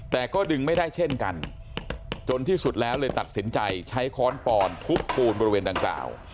แต่ก็ดึงไม่ได้เช่นกันจนที่สุดแล้วเลยตัดสินใจใช้ค้อนปอนทุบปูนบริเวณดังกล่าว